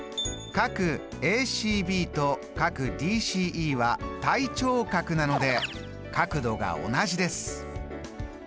ＡＣＢとＤＣＥは対頂角なので角度が同じです。